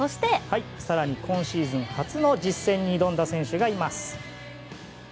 更に今シーズン初の実戦に挑んだ選手がいます。